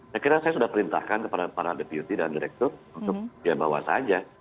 saya kira saya sudah perintahkan kepada para deputi dan direktur untuk ya bawa saja